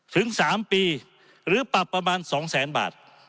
ถึง๓ปีหรือปรับประมาณ๒แสนบาท